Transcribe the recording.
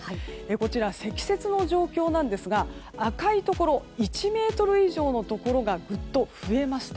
こちら、積雪の状況なんですが赤いところ１ｍ以上のところがぐっと増えました。